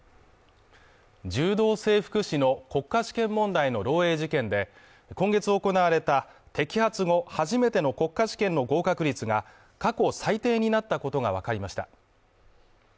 柔道整復師の国家試験問題の漏えい事件で、今月行われた摘発後、初めての国家試験の合格率が過去最低になったことがわかりました。